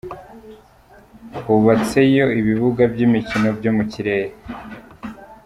Hubatseyo ibibuga by’imikino byo mu kirere.